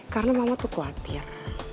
karena mama tuh khawatir